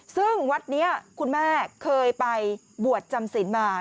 ซึ่งวัดนี้คุณแม่เคยไปบวชจำศิลป์มา